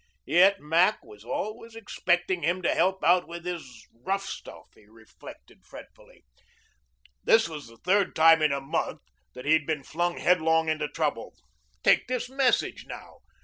Yet Mac was always expecting him to help out with his rough stuff, he reflected fretfully. This was the third time in a month that he had been flung headlong into trouble. Take this message now.